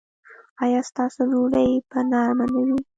ایا ستاسو ډوډۍ به نرمه نه وي؟